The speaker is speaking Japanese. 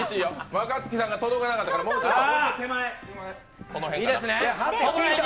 若槻さんが届かなかったから、もうちょっと。